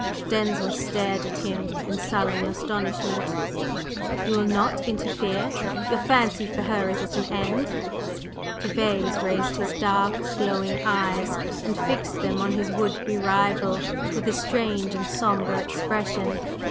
Denzil stared at him in sullen astonishment. "You will not interfere? Your fancy for her is at an end?" Gervase raised his dark, glowing eyes and fixed them on his would be rival with a strange and sombre expression.